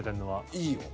いいよ。